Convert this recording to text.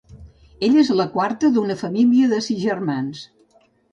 Ella és la quarta d'una família de sis germans.